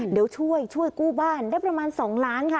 เดี๋ยวช่วยกู้บ้านได้ประมาณ๒ล้าน